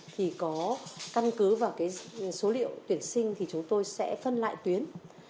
thì có căn cứ vào số liệu tuyển sinh thì chúng tôi sẽ phân lại tuyến